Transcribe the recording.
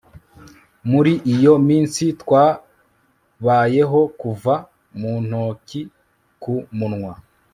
Muri iyo minsi twabayeho kuva mu ntoki ku munwa